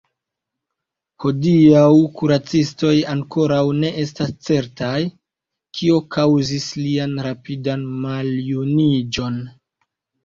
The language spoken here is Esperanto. Hodiaŭ kuracistoj ankoraŭ ne estas certaj, kio kaŭzis lian rapidan maljuniĝon.